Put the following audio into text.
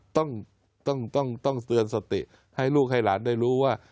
ต้องต้องเตือนสติให้ลูกให้หลานได้รู้ว่า